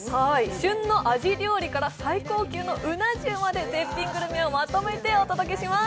旬のアジ料理から最高級のうな重まで絶品グルメをまとめてお届けします。